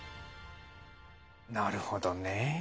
なるほどねえ。